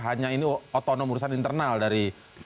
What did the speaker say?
hanya ini otonom urusan internal dari